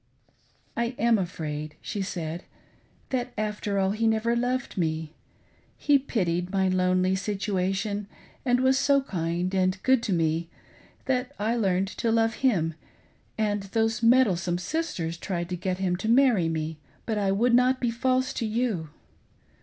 " I am afraid," she said, " that, after all, he never loved me. He pitied my lonely situation and was so kind and good to me that I learned to love him, and those, meddlesome sisters tried to get him to marry me, but I would not be false to "you.